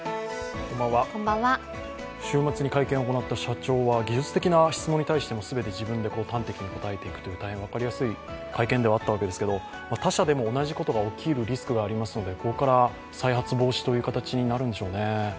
週末に会見を行った社長は技術的な質問に対しても全て自分で端的に答えていくという大変、分かりやすい会見ではあったわけですけど他社でも同じことが起きるリスクはありますので、ここから再発防止という形になるんでしょうね。